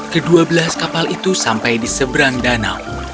kedua belas kapal itu sampai di seberang danau